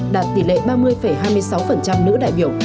đạt tỷ lệ ba mươi hai mươi sáu nữ đại biểu